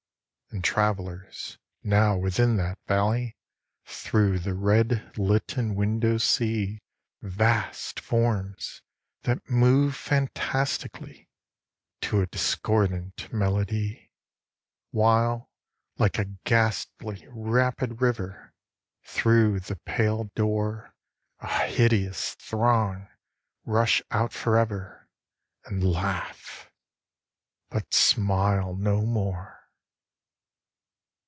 And travellers, now, within that valley, Through the red litten windows see Vast forms, that move fantastically To a discordant melody, While, like a ghastly rapid river, Through the pale door A hideous throng rush out forever And laugh but smile no more.